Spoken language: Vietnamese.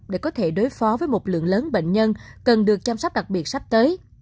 để có thể đối phó với một lượng lớn bệnh nhân cần được chăm sóc đặc biệt sắp tới